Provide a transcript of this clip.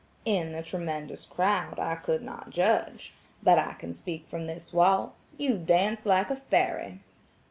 "In the tremendous crowd, I could not judge. But I can speak from this waltz–you dance like a fairy.